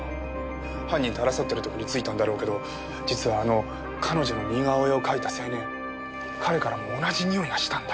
犯人と争っている時に付いたんだろうけど実はあの彼女の似顔絵を描いた青年彼からも同じにおいがしたんだよ。